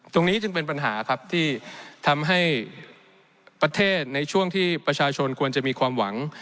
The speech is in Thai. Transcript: ตรงนี้จึงเป็นปัญหาครับที่ทำให้ประเทศในช่วงที่ประชาชนควรจะมีความหวัง